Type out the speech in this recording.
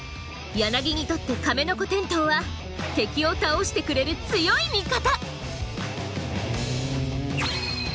ヤナギにとってカメノコテントウは敵を倒してくれる強い味方！